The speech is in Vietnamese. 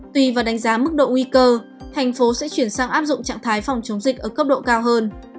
tùy và đánh giá mức độ nguy cơ thành phố sẽ chuyển sang áp dụng trạng thái phòng chống dịch ở cấp độ cao hơn